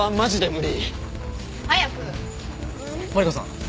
マリコさん。